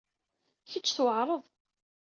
Kečč tweɛṛeḍ.